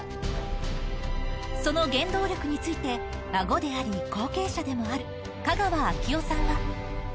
その原動力について、孫であり、後継者でもある、香川明夫さんは。